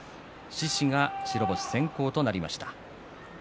獅司が白星先行となりました。